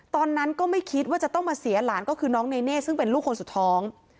ตอนนั้นก็ไม่คิดว่าจะต้องมาเสียหลานก็คือน้องเนเน่ซึ่งเป็นลูกคนสุดท้อง